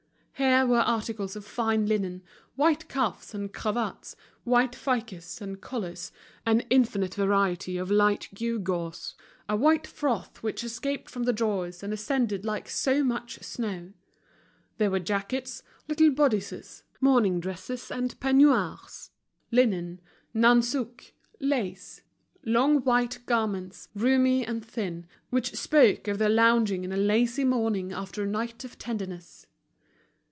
Here were articles of fine linen, white cuffs and cravats, white fichus and collars, an infinite variety of light gewgaws, a white froth which escaped from the drawers and ascended like so much snow. There were jackets, little bodices, morning dresses and peignoirs, linen, nansouck, lace, long white garments, roomy and thin, which spoke of the lounging in a lazy morning after a night of tenderness.